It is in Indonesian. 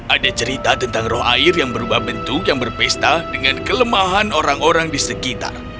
ada cerita tentang roh air yang berubah bentuk yang berpesta dengan kelemahan orang orang di sekitar